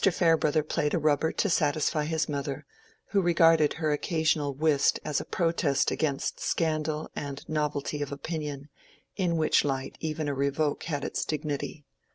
Farebrother played a rubber to satisfy his mother, who regarded her occasional whist as a protest against scandal and novelty of opinion, in which light even a revoke had its dignity.